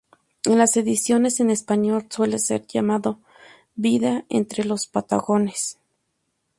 En las ediciones en español suele ser llamado ""Vida entre los Patagones"".